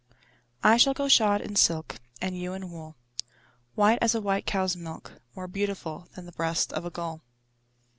I shall go shod in silk, And you in wool, White as a white cow's milk, More beautiful Than the breast of a gull.